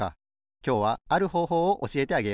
きょうはあるほうほうをおしえてあげよう。